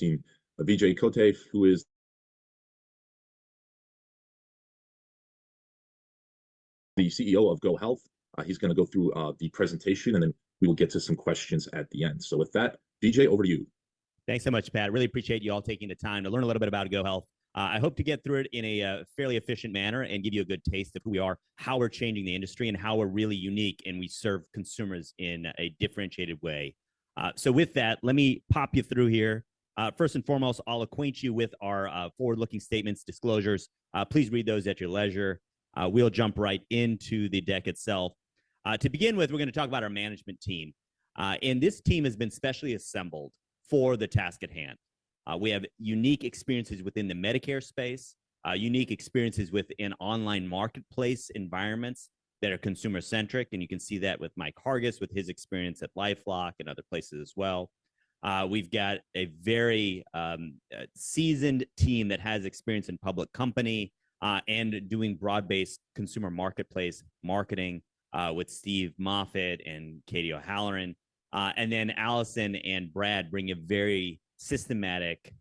Seeing Vijay Kotte, who is the CEO of GoHealth. He's going to go through the presentation, and then we will get to some questions at the end. With that, Vijay, over to you. Thanks so much, Pat. Really appreciate you all taking the time to learn a little bit about GoHealth. I hope to get through it in a fairly efficient manner and give you a good taste of who we are, how we're changing the industry, and how we're really unique and we serve consumers in a differentiated way. So with that, let me pop you through here. First and foremost, I'll acquaint you with our forward-looking statements, disclosures. Please read those at your leisure. We'll jump right into the deck itself. To begin with, we're going to talk about our management team. This team has been specially assembled for the task at hand. We have unique experiences within the Medicare space, unique experiences within online marketplace environments that are consumer-centric. You can see that with Mike Hargis with his experience at LifeLock and other places as well. We've got a very seasoned team that has experience in public company and doing broad-based consumer marketplace marketing with Steve Moffitt and Katie O'Halloran. And then Allison and Brad bring a very systematic,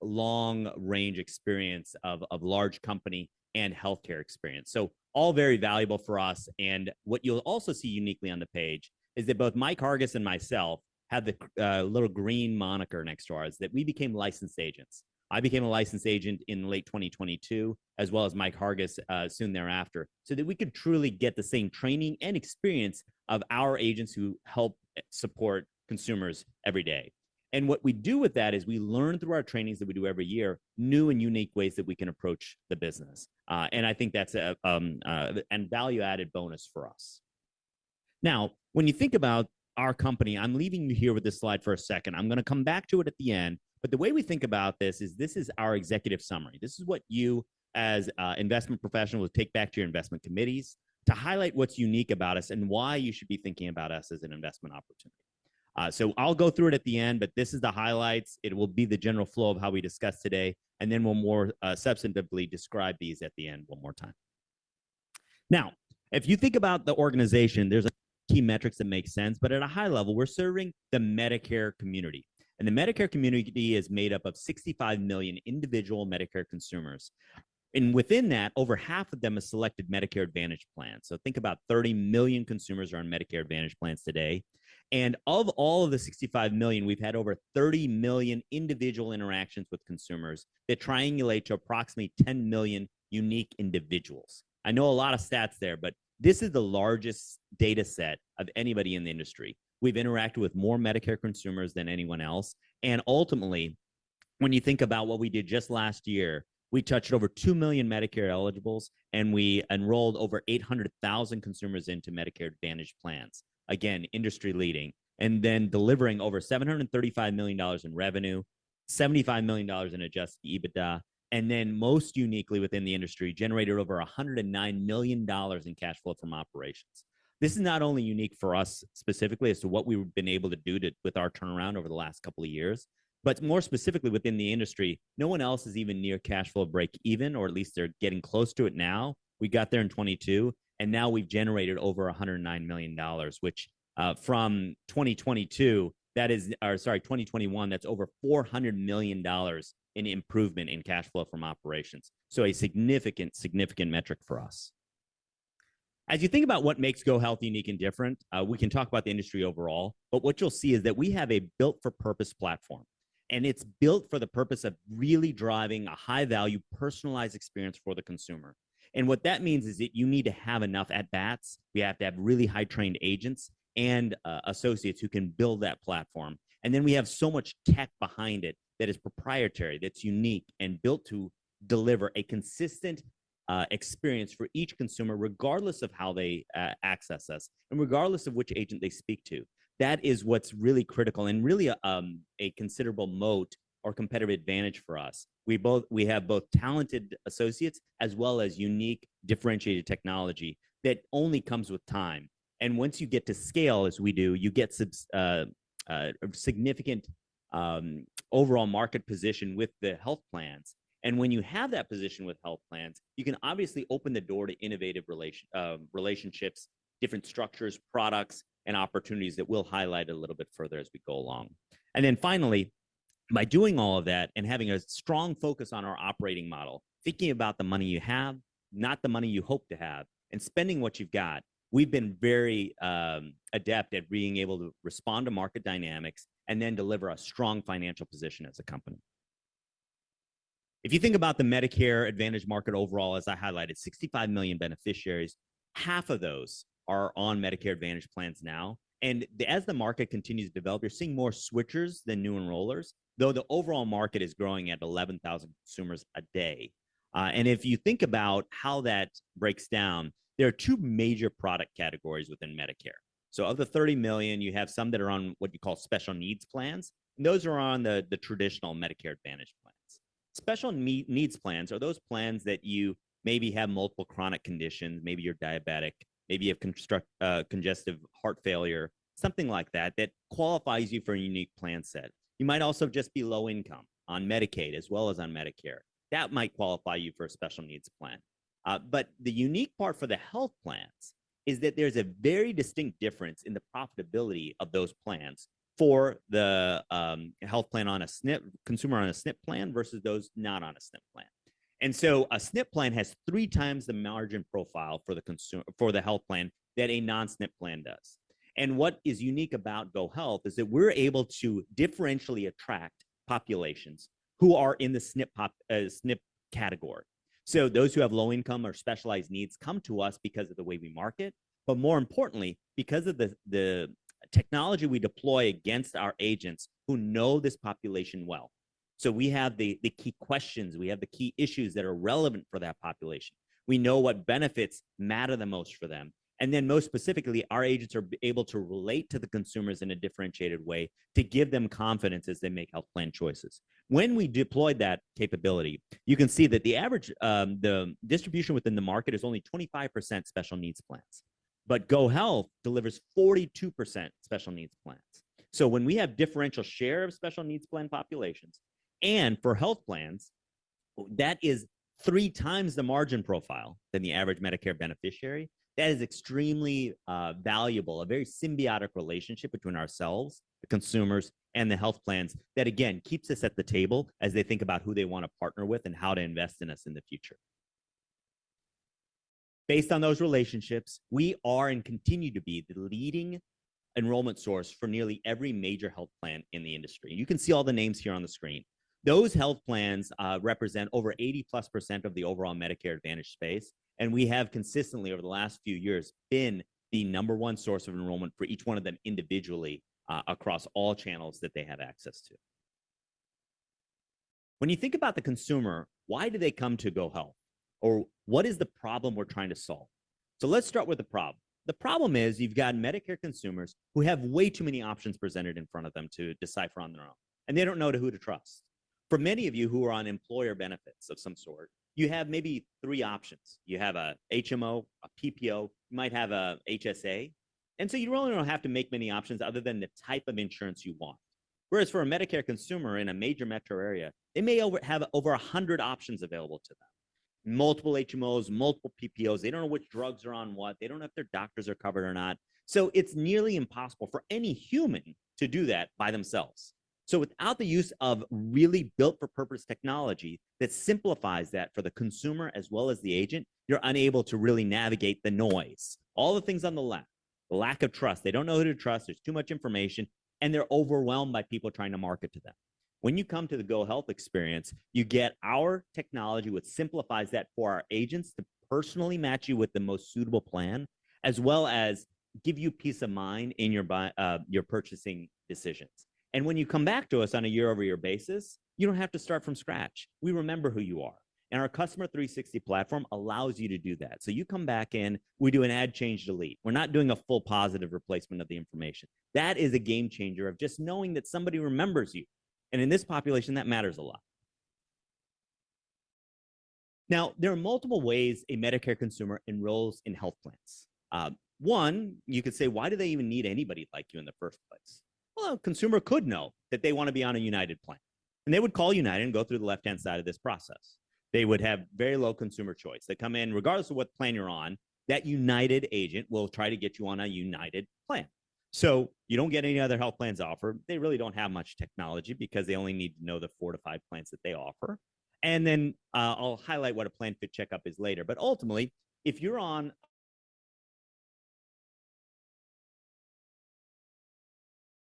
long-range experience of large company and healthcare experience. So all very valuable for us. And what you'll also see uniquely on the page is that both Mike Hargis and myself have the little green moniker next to ours that we became licensed agents. I became a licensed agent in late 2022, as well as Mike Hargis soon thereafter, so that we could truly get the same training and experience of our agents who help support consumers every day. And what we do with that is we learn through our trainings that we do every year new and unique ways that we can approach the business. And I think that's a value-added bonus for us. Now, when you think about our company, I'm leaving you here with this slide for a second. I'm going to come back to it at the end. But the way we think about this is this is our executive summary. This is what you, as investment professionals, take back to your investment committees to highlight what's unique about us and why you should be thinking about us as an investment opportunity. So I'll go through it at the end, but this is the highlights. It will be the general flow of how we discuss today. And then we'll more substantively describe these at the end one more time. Now, if you think about the organization, there's key metrics that make sense. But at a high level, we're serving the Medicare community. And the Medicare community is made up of 65 million individual Medicare consumers. Within that, over half of them have selected Medicare Advantage plans. So think about 30 million consumers are on Medicare Advantage plans today. Of all of the 65 million, we've had over 30 million individual interactions with consumers that triangulate to approximately 10 million unique individuals. I know a lot of stats there, but this is the largest data set of anybody in the industry. We've interacted with more Medicare consumers than anyone else. Ultimately, when you think about what we did just last year, we touched over 2 million Medicare eligibles, and we enrolled over 800,000 consumers into Medicare Advantage plans. Again, industry-leading. Then delivering over $735 million in revenue, $75 million in Adjusted EBITDA, and then most uniquely within the industry, generated over $109 million in cash flow from operations. This is not only unique for us specifically as to what we've been able to do with our turnaround over the last couple of years, but more specifically within the industry, no one else is even near cash flow break even, or at least they're getting close to it now. We got there in 2022, and now we've generated over $109 million, which from 2022, that is, or sorry, 2021, that's over $400 million in improvement in cash flow from operations. So a significant, significant metric for us. As you think about what makes GoHealth unique and different, we can talk about the industry overall, but what you'll see is that we have a built-for-purpose platform. It's built for the purpose of really driving a high-value, personalized experience for the consumer. What that means is that you need to have enough at-bats. We have to have really high-trained agents and associates who can build that platform. Then we have so much tech behind it that is proprietary, that's unique, and built to deliver a consistent experience for each consumer, regardless of how they access us and regardless of which agent they speak to. That is what's really critical and really a considerable moat or competitive advantage for us. We have both talented associates as well as unique, differentiated technology that only comes with time. Once you get to scale, as we do, you get a significant overall market position with the health plans. When you have that position with health plans, you can obviously open the door to innovative relationships, different structures, products, and opportunities that we'll highlight a little bit further as we go along. Then finally, by doing all of that and having a strong focus on our operating model, thinking about the money you have, not the money you hope to have, and spending what you've got, we've been very adept at being able to respond to market dynamics and then deliver a strong financial position as a company. If you think about the Medicare Advantage market overall, as I highlighted, 65 million beneficiaries, half of those are on Medicare Advantage plans now. And as the market continues to develop, you're seeing more switchers than new enrollers, though the overall market is growing at 11,000 consumers a day. And if you think about how that breaks down, there are two major product categories within Medicare. So of the 30 million, you have some that are on what you call Special Needs Plans. And those are on the traditional Medicare Advantage plans. Special Needs Plans are those plans that you maybe have multiple chronic conditions. Maybe you're diabetic. Maybe you have congestive heart failure, something like that, that qualifies you for a unique plan set. You might also just be low-income on Medicaid as well as on Medicare. That might qualify you for a Special Needs Plan. But the unique part for the health plans is that there's a very distinct difference in the profitability of those plans for the health plan on a SNP consumer on a SNP plan versus those not on a SNP plan. And so a SNP plan has three times the margin profile for the health plan that a non-SNP plan does. And what is unique about GoHealth is that we're able to differentially attract populations who are in the SNP category. So those who have low income or specialized needs come to us because of the way we market, but more importantly, because of the technology we deploy against our agents who know this population well. So we have the key questions. We have the key issues that are relevant for that population. We know what benefits matter the most for them. And then most specifically, our agents are able to relate to the consumers in a differentiated way to give them confidence as they make health plan choices. When we deploy that capability, you can see that the distribution within the market is only 25% Special Needs Plans. But GoHealth delivers 42% Special Needs Plans. So when we have differential share of Special Needs Plan populations and for health plans, that is three times the margin profile than the average Medicare beneficiary. That is extremely valuable, a very symbiotic relationship between ourselves, the consumers, and the health plans that, again, keeps us at the table as they think about who they want to partner with and how to invest in us in the future. Based on those relationships, we are and continue to be the leading enrollment source for nearly every major health plan in the industry. You can see all the names here on the screen. Those health plans represent over 80%+ of the overall Medicare Advantage space. We have consistently, over the last few years, been the number one source of enrollment for each one of them individually across all channels that they have access to. When you think about the consumer, why do they come to GoHealth? Or what is the problem we're trying to solve? Let's start with the problem. The problem is you've got Medicare consumers who have way too many options presented in front of them to decipher on their own. They don't know who to trust. For many of you who are on employer benefits of some sort, you have maybe three options. You have an HMO, a PPO. You might have an HSA. So you really don't have to make many options other than the type of insurance you want. Whereas for a Medicare consumer in a major metro area, they may have over 100 options available to them: multiple HMOs, multiple PPOs. They don't know which drugs are on what. They don't know if their doctors are covered or not. So it's nearly impossible for any human to do that by themselves. So without the use of really built-for-purpose technology that simplifies that for the consumer as well as the agent, you're unable to really navigate the noise, all the things on the left, the lack of trust. They don't know who to trust. There's too much information. And they're overwhelmed by people trying to market to them. When you come to the GoHealth experience, you get our technology which simplifies that for our agents to personally match you with the most suitable plan as well as give you peace of mind in your purchasing decisions. And when you come back to us on a year-over-year basis, you don't have to start from scratch. We remember who you are. And our Customer 360 platform allows you to do that. So you come back in, we do an add, change, delete. We're not doing a full positive replacement of the information. That is a game changer of just knowing that somebody remembers you. And in this population, that matters a lot. Now, there are multiple ways a Medicare consumer enrolls in health plans. One, you could say, why do they even need anybody like you in the first place? Well, a consumer could know that they want to be on a United plan. And they would call United and go through the left-hand side of this process. They would have very low consumer choice. They come in, regardless of what plan you're on, that United agent will try to get you on a United plan. So you don't get any other health plans offered. They really don't have much technology because they only need to know the 4-5 plans that they offer. And then I'll highlight what a Plan Fit Checkup is later. But ultimately, if you're on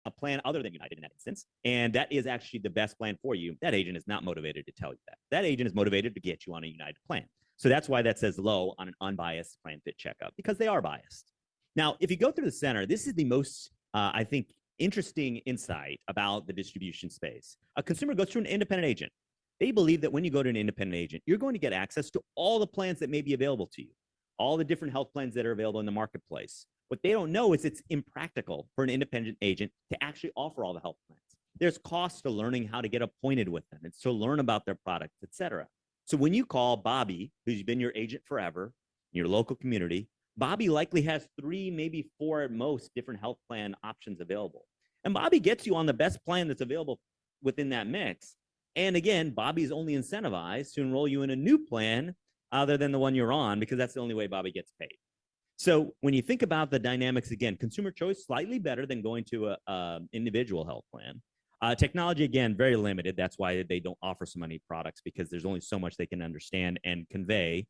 a plan other than United in that instance, and that is actually the best plan for you, that agent is not motivated to tell you that. That agent is motivated to get you on a United plan. So that's why that says low on an unbiased Plan Fit Checkup, because they are biased. Now, if you go through the center, this is the most, I think, interesting insight about the distribution space. A consumer goes through an independent agent. They believe that when you go to an independent agent, you're going to get access to all the plans that may be available to you, all the different health plans that are available in the marketplace. What they don't know is it's impractical for an independent agent to actually offer all the health plans. There's cost to learning how to get appointed with them and to learn about their products, et cetera. So when you call Bobby, who's been your agent forever in your local community, Bobby likely has 3, maybe 4 at most, different health plan options available. Bobby gets you on the best plan that's available within that mix. Again, Bobby is only incentivized to enroll you in a new plan other than the one you're on because that's the only way Bobby gets paid. So when you think about the dynamics, again, consumer choice is slightly better than going to an individual health plan. Technology, again, very limited. That's why they don't offer so many products, because there's only so much they can understand and convey.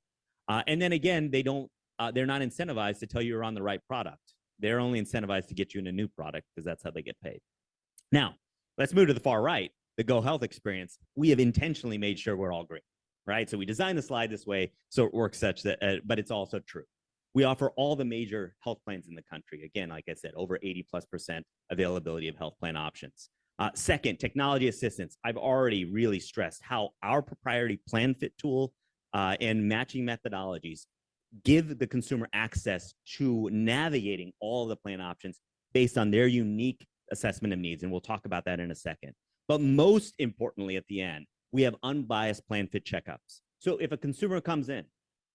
Then again, they're not incentivized to tell you you're on the right product. They're only incentivized to get you in a new product because that's how they get paid. Now, let's move to the far right, the GoHealth experience. We have intentionally made sure we're all green, right? So we designed the slide this way so it works such that, but it's also true. We offer all the major health plans in the country. Again, like I said, over 80+% availability of health plan options. Second, technology assistance. I've already really stressed how our proprietary Plan Fit tool and matching methodologies give the consumer access to navigating all the plan options based on their unique assessment of needs. And we'll talk about that in a second. But most importantly, at the end, we have unbiased Plan Fit Checkups. So if a consumer comes in,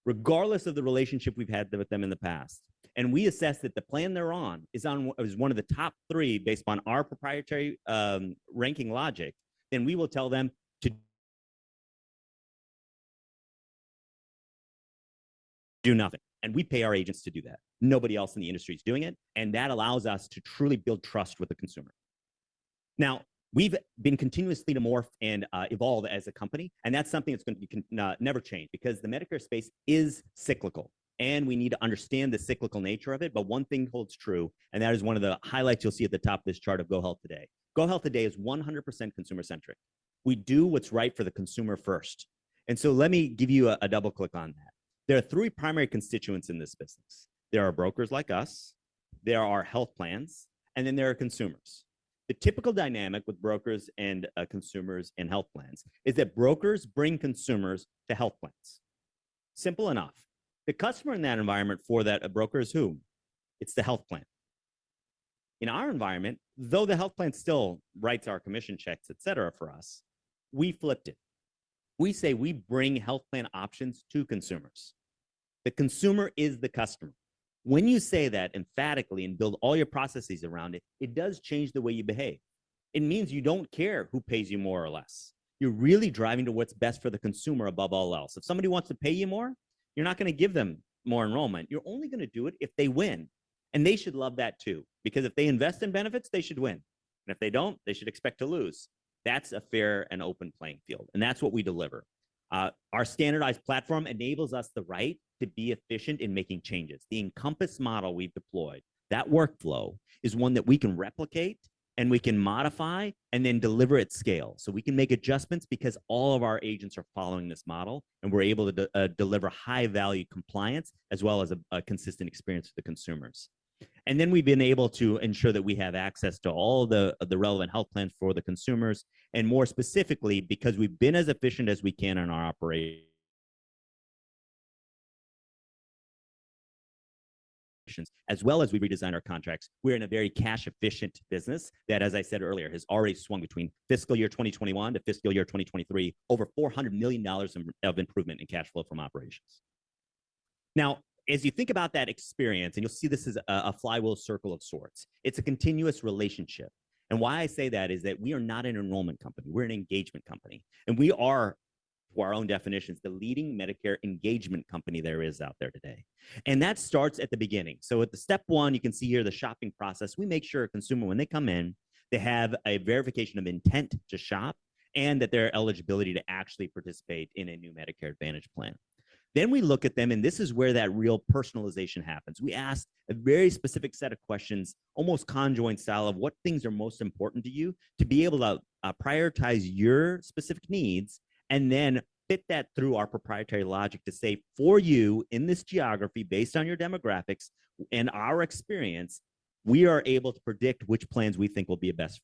regardless of the relationship we've had with them in the past, and we assess that the plan they're on is one of the top three based upon our proprietary ranking logic, then we will tell them to do nothing. We pay our agents to do that. Nobody else in the industry is doing it. That allows us to truly build trust with the consumer. Now, we've been continuously morphed and evolved as a company. That's something that's going to never change because the Medicare space is cyclical. We need to understand the cyclical nature of it. One thing holds true, and that is one of the highlights you'll see at the top of this chart of GoHealth Today. GoHealth Today is 100% consumer-centric. We do what's right for the consumer first. Let me give you a double click on that. There are three primary constituents in this business. There are brokers like us. There are health plans. And then there are consumers. The typical dynamic with brokers and consumers and health plans is that brokers bring consumers to health plans. Simple enough. The customer in that environment for that broker is who? It's the health plan. In our environment, though the health plan still writes our commission checks, et cetera, for us, we flipped it. We say we bring health plan options to consumers. The consumer is the customer. When you say that emphatically and build all your processes around it, it does change the way you behave. It means you don't care who pays you more or less. You're really driving to what's best for the consumer above all else. If somebody wants to pay you more, you're not going to give them more enrollment. You're only going to do it if they win. And they should love that too, because if they invest in benefits, they should win. And if they don't, they should expect to lose. That's a fair and open playing field. And that's what we deliver. Our standardized platform enables us the right to be efficient in making changes. The Encompass model we've deployed, that workflow is one that we can replicate and we can modify and then deliver at scale. So we can make adjustments because all of our agents are following this model, and we're able to deliver high-value compliance as well as a consistent experience for the consumers. And then we've been able to ensure that we have access to all the relevant health plans for the consumers. And more specifically, because we've been as efficient as we can in our operations, as well as we redesign our contracts, we're in a very cash-efficient business that, as I said earlier, has already swung between fiscal year 2021 to fiscal year 2023, over $400 million of improvement in cash flow from operations. Now, as you think about that experience, and you'll see this is a flywheel circle of sorts, it's a continuous relationship. And why I say that is that we are not an enrollment company. We're an engagement company. And we are, to our own definitions, the leading Medicare engagement company there is out there today. And that starts at the beginning. So at the step one, you can see here the shopping process. We make sure a consumer, when they come in, they have a verification of intent to shop and that their eligibility to actually participate in a new Medicare Advantage plan. Then we look at them, and this is where that real personalization happens. We ask a very specific set of questions, almost conjoint style of what things are most important to you to be able to prioritize your specific needs and then fit that through our proprietary logic to say, for you in this geography, based on your demographics and our experience, we are able to predict which plans we think will be a best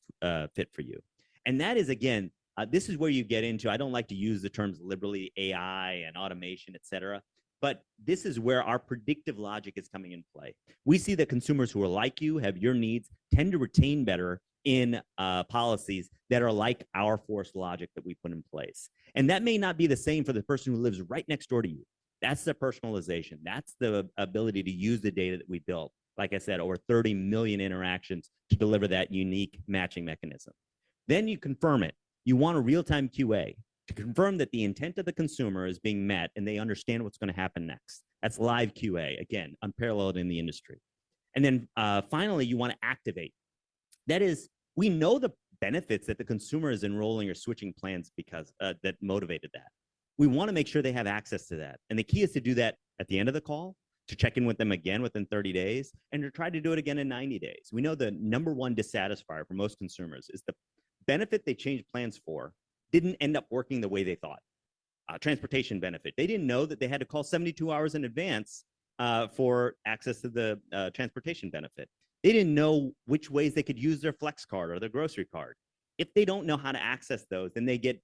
fit for you. And that is, again, this is where you get into I don't like to use the terms liberally AI and automation, et cetera. But this is where our predictive logic is coming into play. We see that consumers who are like you, have your needs, tend to retain better in policies that are like our forced logic that we put in place. And that may not be the same for the person who lives right next door to you. That's the personalization. That's the ability to use the data that we built, like I said, over 30 million interactions to deliver that unique matching mechanism. Then you confirm it. You want a real-time QA to confirm that the intent of the consumer is being met and they understand what's going to happen next. That's live QA, again, unparalleled in the industry. And then finally, you want to activate. That is, we know the benefits that the consumer is enrolling or switching plans because that motivated that. We want to make sure they have access to that. The key is to do that at the end of the call, to check in with them again within 30 days, and to try to do it again in 90 days. We know the number one dissatisfier for most consumers is the benefit they changed plans for didn't end up working the way they thought. Transportation benefit. They didn't know that they had to call 72 hours in advance for access to the transportation benefit. They didn't know which ways they could use their flex card or their grocery card. If they don't know how to access those, then they get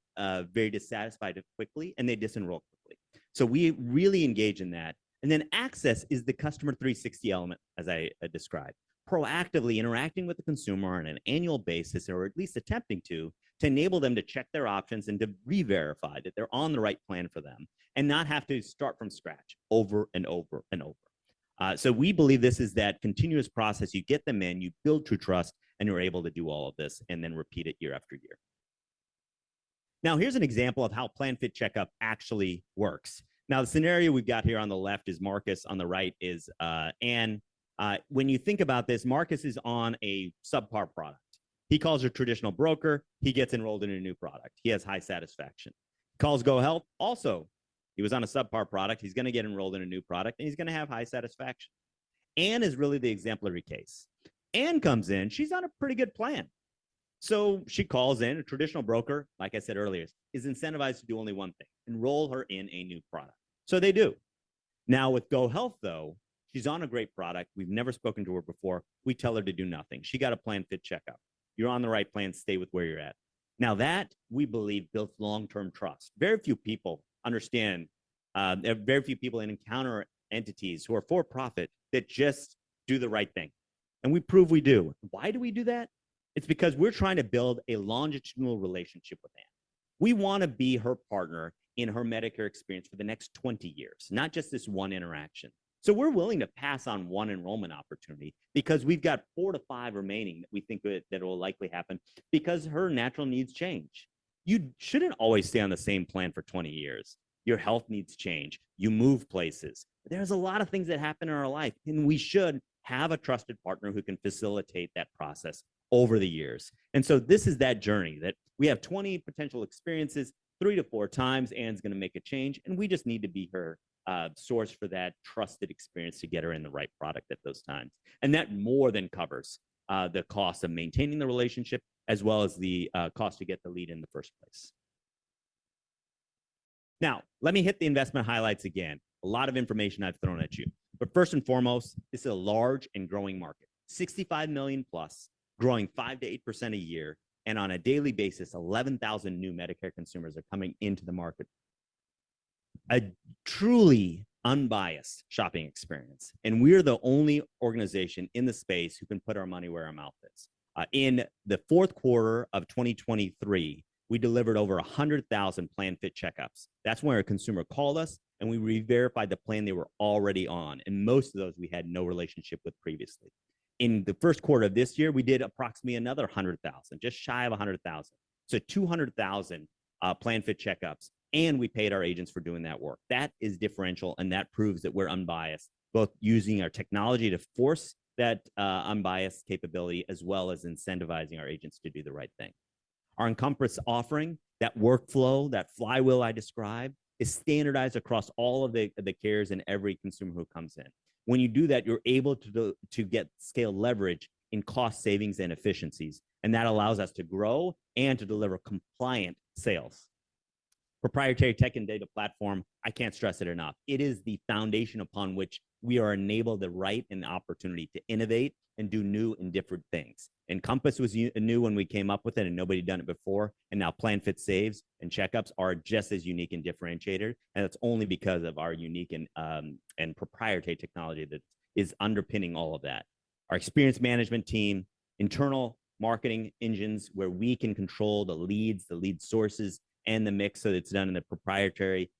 very dissatisfied quickly and they disenroll quickly. So we really engage in that. And then access is the Customer 360 element, as I described, proactively interacting with the consumer on an annual basis or at least attempting to, to enable them to check their options and to re-verify that they're on the right plan for them and not have to start from scratch over and over and over. So we believe this is that continuous process. You get them in, you build true trust, and you're able to do all of this and then repeat it year after year. Now, here's an example of how Plan Fit Checkup actually works. Now, the scenario we've got here on the left is Marcus. On the right is Anne. When you think about this, Marcus is on a subpar product. He calls a traditional broker. He gets enrolled in a new product. He has high satisfaction. He calls GoHealth. Also, he was on a subpar product. He's going to get enrolled in a new product, and he's going to have high satisfaction. Anne is really the exemplary case. Anne comes in. She's on a pretty good plan. So she calls in. A traditional broker, like I said earlier, is incentivized to do only one thing: enroll her in a new product. So they do. Now, with GoHealth, though, she's on a great product. We've never spoken to her before. We tell her to do nothing. She got a Plan Fit Checkup. You're on the right plan. Stay with where you're at. Now, that, we believe, builds long-term trust. Very few people understand, very few people encounter entities who are for-profit that just do the right thing. And we prove we do. Why do we do that? It's because we're trying to build a longitudinal relationship with Anne. We want to be her partner in her Medicare experience for the next 20 years, not just this one interaction. So we're willing to pass on one enrollment opportunity because we've got four to five remaining that we think that will likely happen because her natural needs change. You shouldn't always stay on the same plan for 20 years. Your health needs change. You move places. There's a lot of things that happen in our life. And we should have a trusted partner who can facilitate that process over the years. And so this is that journey that we have 20 potential experiences, three to four times Anne's going to make a change. And we just need to be her source for that trusted experience to get her in the right product at those times. That more than covers the cost of maintaining the relationship as well as the cost to get the lead in the first place. Now, let me hit the investment highlights again. A lot of information I've thrown at you. First and foremost, this is a large and growing market, 65 million+, growing 5%-8% a year. On a daily basis, 11,000 new Medicare consumers are coming into the market. A truly unbiased shopping experience. We're the only organization in the space who can put our money where our mouth is. In the Q4 of 2023, we delivered over 100,000 plan fit checkups. That's when a consumer called us, and we re-verified the plan they were already on. Most of those, we had no relationship with previously. In the Q1 of this year, we did approximately another 100,000, just shy of 100,000. So 200,000 Plan Fit Checkups. And we paid our agents for doing that work. That is differential. And that proves that we're unbiased, both using our technology to force that unbiased capability as well as incentivizing our agents to do the right thing. Our Encompass offering, that workflow, that flywheel I described, is standardized across all of the carriers and every consumer who comes in. When you do that, you're able to get scale leverage in cost savings and efficiencies. And that allows us to grow and to deliver compliant sales. Proprietary tech and data platform, I can't stress it enough. It is the foundation upon which we are enabled the right and the opportunity to innovate and do new and different things. Encompass was new when we came up with it, and nobody had done it before. Now Plan Fit Checkups are just as unique and differentiated. It's only because of our unique and proprietary technology that is underpinning all of that. Our experience management team, internal marketing engines where we can control the leads, the lead sources, and the mix that it's done in a proprietary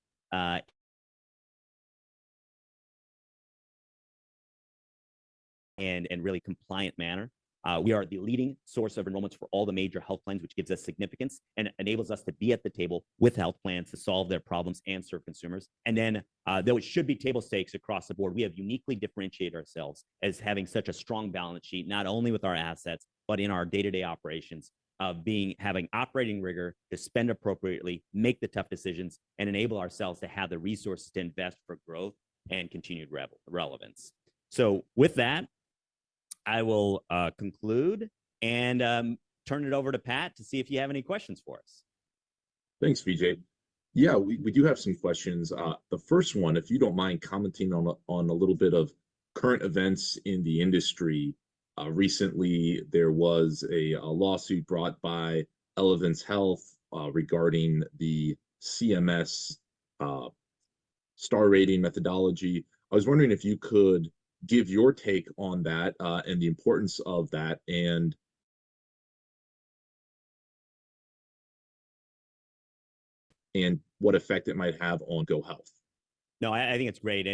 and really compliant manner. We are the leading source of enrollments for all the major health plans, which gives us significance and enables us to be at the table with health plans to solve their problems and serve consumers. Though it should be table stakes across the board, we have uniquely differentiated ourselves as having such a strong balance sheet, not only with our assets, but in our day-to-day operations of having operating rigor to spend appropriately, make the tough decisions, and enable ourselves to have the resources to invest for growth and continued relevance. So with that, I will conclude and turn it over to Pat to see if you have any questions for us. Thanks, Vijay. Yeah, we do have some questions. The first one, if you don't mind commenting on a little bit of current events in the industry. Recently, there was a lawsuit brought by Elevance Health regarding the CMS Star Ratings methodology. I was wondering if you could give your take on that and the importance of that and what effect it might have on GoHealth. No, I think it's great.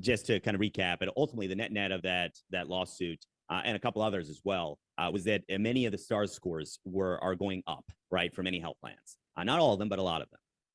Just to kind of recap, ultimately, the net net of that lawsuit and a couple others as well was that many of the star scores are going up, right, from any health plans. Not all of them, but a lot of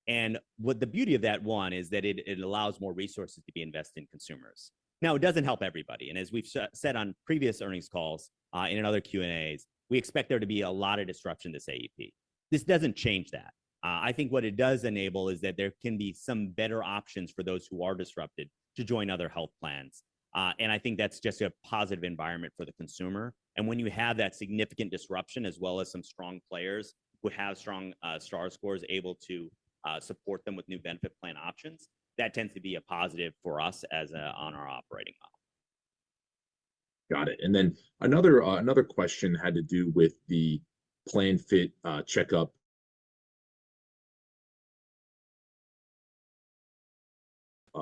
them. The beauty of that one is that it allows more resources to be invested in consumers. Now, it doesn't help everybody. As we've said on previous earnings calls and in other Q&As, we expect there to be a lot of disruption to the AEP. This doesn't change that. I think what it does enable is that there can be some better options for those who are disrupted to join other health plans. And I think that's just a positive environment for the consumer. When you have that significant disruption as well as some strong players who have strong star scores able to support them with new benefit plan options, that tends to be a positive for us as on our operating model. Got it. And then another question had to do with the Plan Fit Checkup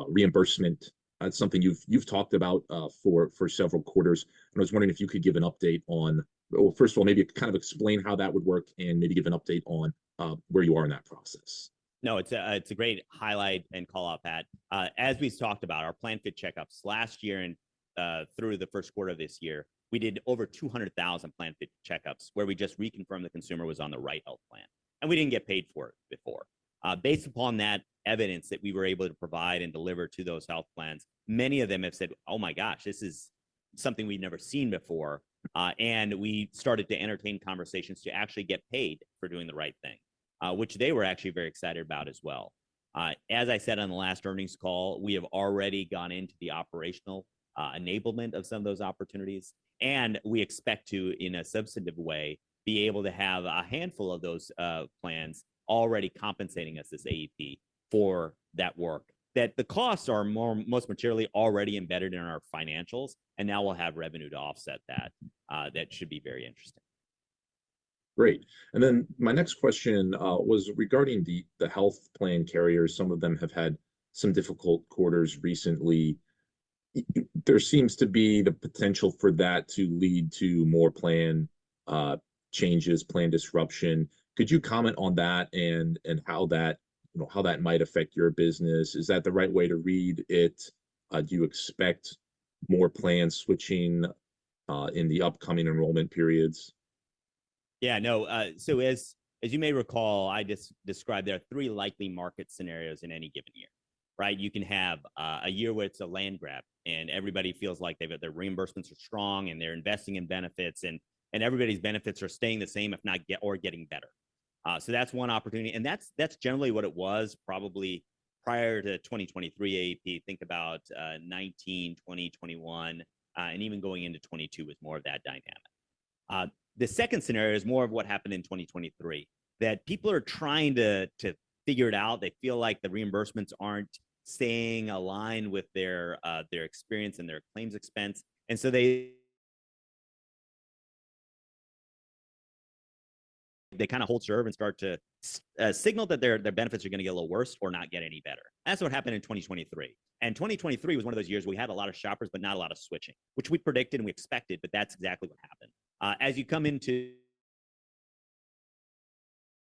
reimbursement. That's something you've talked about for several quarters. And I was wondering if you could give an update on, well, first of all, maybe kind of explain how that would work and maybe give an update on where you are in that process. No, it's a great highlight and call out, Pat. As we've talked about, our Plan Fit Checkups last year and through the first quarter of this year, we did over 200,000 Plan Fit Checkups where we just reconfirmed the consumer was on the right health plan. And we didn't get paid for it before. Based upon that evidence that we were able to provide and deliver to those health plans, many of them have said, "Oh my gosh, this is something we've never seen before." And we started to entertain conversations to actually get paid for doing the right thing, which they were actually very excited about as well. As I said on the last earnings call, we have already gone into the operational enablement of some of those opportunities. And we expect to, in a substantive way, be able to have a handful of those plans already compensating us as AEP for that work, that the costs are most materially already embedded in our financials, and now we'll have revenue to offset that. That should be very interesting. Great. And then my next question was regarding the health plan carriers. Some of them have had some difficult quarters recently. There seems to be the potential for that to lead to more plan changes, plan disruption. Could you comment on that and how that might affect your business? Is that the right way to read it? Do you expect more plans switching in the upcoming enrollment periods? Yeah, no. So as you may recall, I just described there are three likely market scenarios in any given year, right? You can have a year where it's a land grab, and everybody feels like their reimbursements are strong and they're investing in benefits, and everybody's benefits are staying the same, if not, or getting better. So that's one opportunity. And that's generally what it was probably prior to 2023 AEP, think about 2019, 2020, 2021, and even going into 2022 was more of that dynamic. The second scenario is more of what happened in 2023, that people are trying to figure it out. They feel like the reimbursements aren't staying aligned with their experience and their claims expense. And so they kind of hold back and start to signal that their benefits are going to get a little worse or not get any better. That's what happened in 2023. 2023 was one of those years we had a lot of shoppers, but not a lot of switching, which we predicted and we expected, but that's exactly what happened. As you come into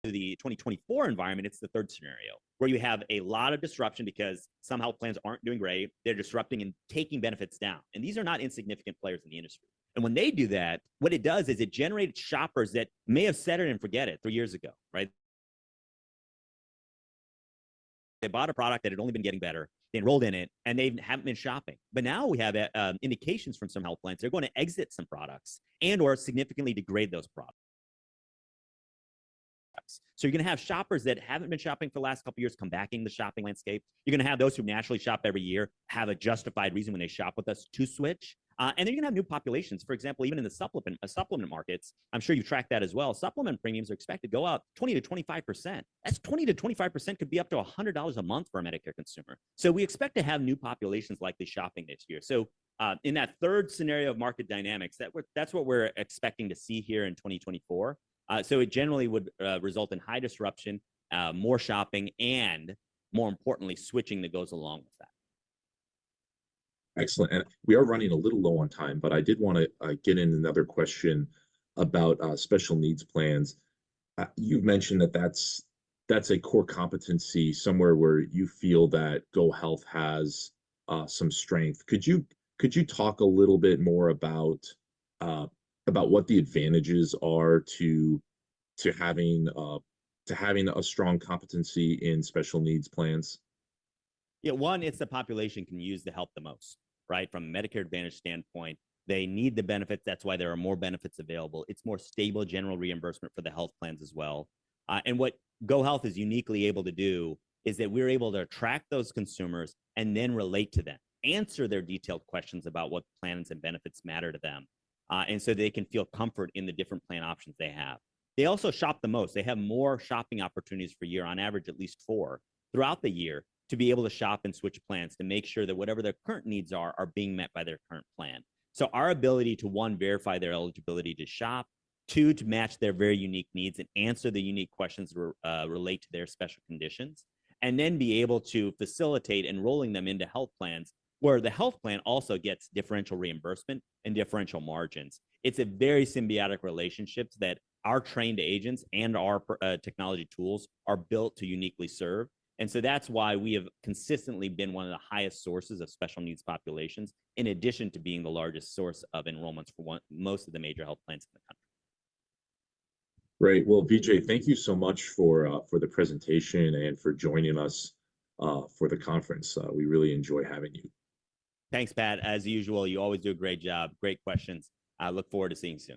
the 2024 environment, it's the third scenario where you have a lot of disruption because some health plans aren't doing great. They're disrupting and taking benefits down. These are not insignificant players in the industry. When they do that, what it does is it generates shoppers that may have set it and forget it three years ago, right? They bought a product that had only been getting better. They enrolled in it, and they haven't been shopping. But now we have indications from some health plans. They're going to exit some products and/or significantly degrade those products. So you're going to have shoppers that haven't been shopping for the last couple of years come back in the shopping landscape. You're going to have those who naturally shop every year have a justified reason when they shop with us to switch. And then you're going to have new populations. For example, even in the supplement markets, I'm sure you've tracked that as well. Supplement premiums are expected to go up 20%-25%. That's 20%-25% could be up to $100 a month for a Medicare consumer. We expect to have new populations likely shopping this year. In that third scenario of market dynamics, that's what we're expecting to see here in 2024. It generally would result in high disruption, more shopping, and more importantly, switching that goes along with that. Excellent. We are running a little low on time, but I did want to get in another question about special needs plans. You've mentioned that that's a core competency somewhere where you feel that GoHealth has some strength. Could you talk a little bit more about what the advantages are to having a strong competency in special needs plans? Yeah, one, it's the population can use the help the most, right? From a Medicare Advantage standpoint, they need the benefits. That's why there are more benefits available. It's more stable general reimbursement for the health plans as well. What GoHealth is uniquely able to do is that we're able to attract those consumers and then relate to them, answer their detailed questions about what plans and benefits matter to them, and so they can feel comfort in the different plan options they have. They also shop the most. They have more shopping opportunities per year, on average at least four throughout the year to be able to shop and switch plans to make sure that whatever their current needs are are being met by their current plan. So our ability to, one, verify their eligibility to shop, two, to match their very unique needs and answer the unique questions relate to their special conditions, and then be able to facilitate enrolling them into health plans where the health plan also gets differential reimbursement and differential margins. It's a very symbiotic relationship that our trained agents and our technology tools are built to uniquely serve. And so that's why we have consistently been one of the highest sources of special needs populations, in addition to being the largest source of enrollments for most of the major health plans in the country. Great. Well, Vijay, thank you so much for the presentation and for joining us for the conference. We really enjoy having you. Thanks, Pat. As usual, you always do a great job. Great questions. I look forward to seeing you soon.